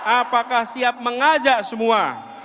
apakah siap mengajak semua